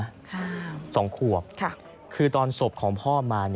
ค่ะค่ะสองขวบคือตอนศพของพ่อมา